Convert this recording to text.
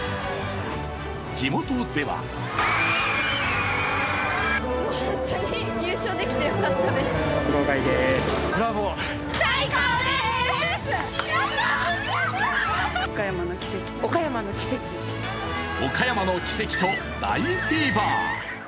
地元では岡山の奇跡と大フィーバー。